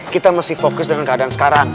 kita masih fokus dengan keadaan sekarang